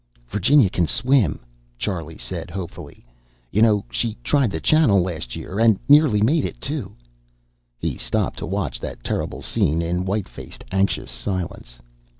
"Virginia can swim." Charlie said hopefully. "You know she tried the Channel last year, and nearly made it, too." He stopped to watch that terrible scene in white faced, anxious silence.